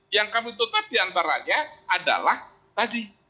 yang kami tutup diantaranya adalah tadi